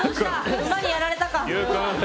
ウマにやられたか？